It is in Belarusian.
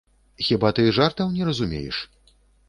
Хіба ты жартаў не разумееш?